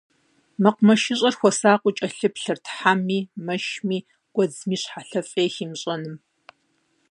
МэкъумэшыщӀэр хуэсакъыу кӀэлъыплъырт хьэми, мэшми, гуэдзми щхьэлъэфӀей химыщӀэным.